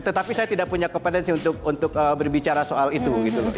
tetapi saya tidak punya kompetensi untuk berbicara soal itu